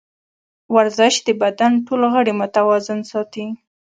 ورزش د بدن ټول غړي متوازن ساتي.